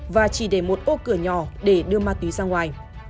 và chỉ để một ô cửa nhỏ để đưa ma túy ra ngoài